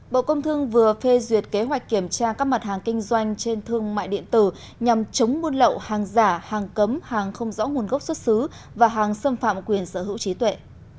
bộ công thương vừa phê duyệt kế hoạch kiểm tra các mặt hàng kinh doanh trên thương mại điện tử nhằm chống buôn lậu hàng giả hàng cấm hàng không rõ nguồn gốc xuất xứ và hàng xâm phạm quyền sở hữu trí tuệ